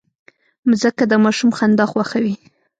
مځکه د ماشوم خندا خوښوي.